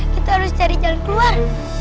kita harus cari jalan keluar